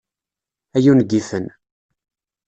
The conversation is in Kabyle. Ay ungifen!